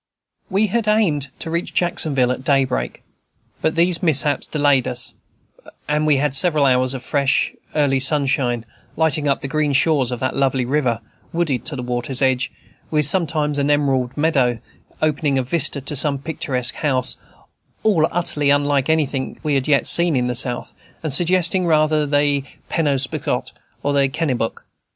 We had aimed to reach Jacksonville at daybreak; but these mishaps delayed us, and we had several hours of fresh, early sunshine, lighting up the green shores of that lovely river, wooded to the water's edge, with sometimes an emerald meadow, opening a vista to some picturesque house, all utterly unlike anything we had yet seen in the South, and suggesting rather the Penobscot or Kennebec.